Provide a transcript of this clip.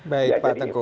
baik pak tengku